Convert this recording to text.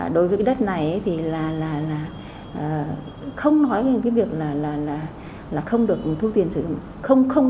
đối với cái đất này thì là không nói về cái việc là không được thu tiền sử dụng